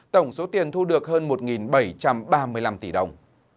tổng số tiền thu được hơn một bảy trăm linh triệu đồng